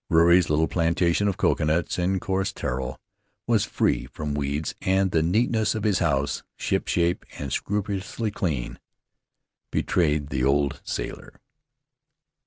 Ruri's little plantation of coconuts and coarse taro was free from weeds, and the neatness of his house, shipshape and scrupulously clean, betrayed the old sailor.